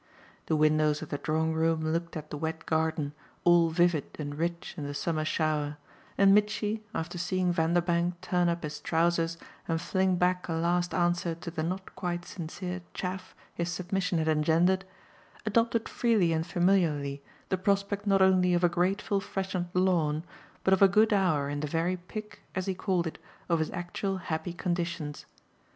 The windows of the drawing room looked at the wet garden, all vivid and rich in the summer shower, and Mitchy, after seeing Vanderbank turn up his trousers and fling back a last answer to the not quite sincere chaff his submission had engendered, adopted freely and familiarly the prospect not only of a grateful freshened lawn, but of a good hour in the very pick, as he called it, of his actual happy conditions.